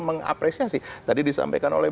mengapresiasi tadi disampaikan oleh